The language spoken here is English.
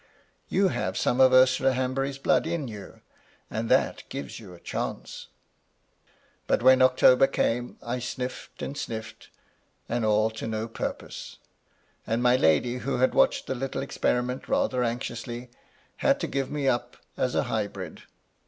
You have some of Ursula Hanbury's blood in you, and that gives you a chance." MY LADY LUDLOW. 75 But when October came, I sniffed and sniffed, and all to no purpose ; and my lady — who had watched the Utile experiment rather anxiously — ^had to give me up as a hybrid.